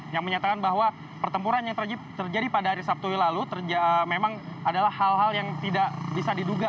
yang menyatakan bahwa pertempuran yang terjadi pada hari sabtu lalu memang adalah hal hal yang tidak bisa diduga